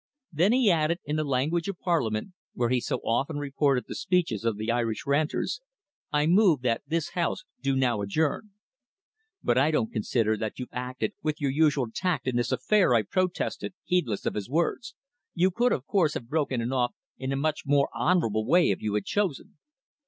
Then he added, in the language of Parliament, where he so often reported the speeches of the Irish ranters, "I move that this House do now adjourn." "But I don't consider that you've acted with your usual tact in this affair," I protested, heedless of his words. "You could, of course, have broken if off in a much more honourable way if you had chosen."